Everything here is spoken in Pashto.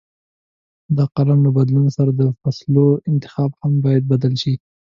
د اقلیم له بدلون سره د فصلو انتخاب هم باید بدل شي.